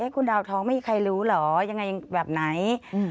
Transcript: คุณดาวท้องไม่มีใครรู้เหรอยังไงแบบไหน